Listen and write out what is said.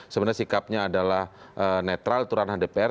sebenarnya sikapnya adalah netral turan handeper